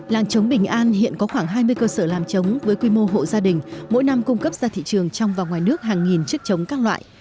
làng trống bình an hiện có khoảng hai mươi cơ sở làm trống với quy mô hộ gia đình mỗi năm cung cấp ra thị trường trong và ngoài nước hàng nghìn chức trống các loại